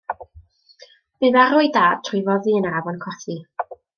Bu farw ei dad trwy foddi yn yr afon Cothi.